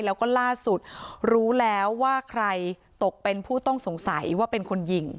แล้วก็ล่าสุดรู้แล้วว่าใครตกเป็นผู้ต้องสงสัยว่าเป็นคนยิง